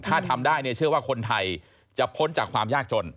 ถ้าทำได้เนี่ยเชื่อว่าคนไทยจะพ้นจากความยากจน